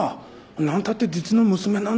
何たって実の娘なんだし。